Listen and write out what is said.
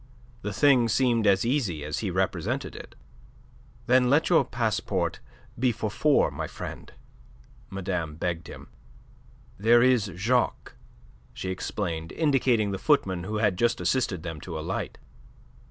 The thing seemed as easy as he represented it. "Then let your passport be for four, my friend," madame begged him. "There is Jacques," she explained, indicating the footman who had just assisted them to alight.